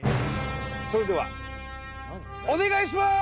それではお願いします！